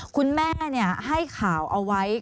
คุณแม่ให้ข่าวเอาไว้